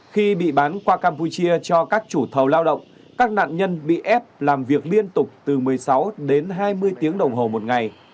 khi bị bán qua campuchia cho các chủ thầu lao động các nạn nhân bị ép làm việc liên tục từ một mươi sáu đến hai mươi tiếng đồng hồ một ngày